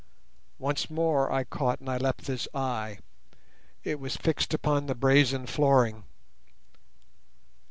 Once more I caught Nyleptha's eye; it was fixed upon the brazen flooring.